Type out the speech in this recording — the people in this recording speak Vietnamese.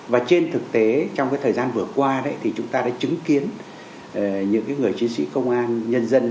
và trên thực tế trong thời gian vừa qua thì chúng ta đã chứng kiến những người chiến sĩ công an nhân dân